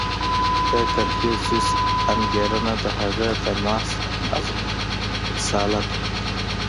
• د کنفوسیوس انګېرنه د هغه د محض اصالت وه.